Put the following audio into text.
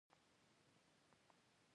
کروندګر د زحمت په قدر پوهیږي